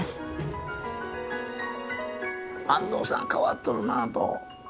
安藤さん変わっとるなあと。